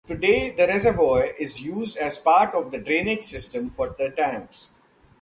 Today the reservoir is used as part of the drainage system for the tanks.